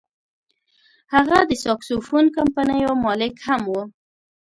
هغه د ساکسوفون کمپنیو مالک هم و.